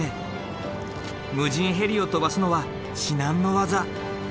無人ヘリを飛ばすのは至難の業。